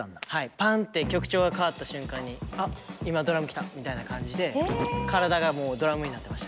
パンッて曲調が変わった瞬間に「あっ今ドラムきた」みたいな感じで体がもうドラムになってました。